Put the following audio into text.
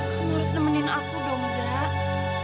kamu harus nemenin aku dong zak